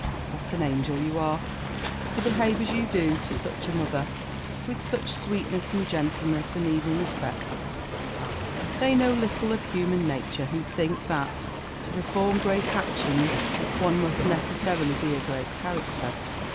What an angel you are, to behave as you do to such a mother; with such sweetness, and gentleness, and even respect! Ah! they know little of human nature who think that to perform great actions one must necessarily be a great character.